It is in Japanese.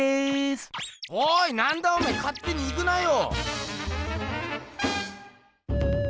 おいなんだおめえかってに行くなよ。